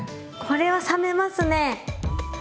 これは覚めますね。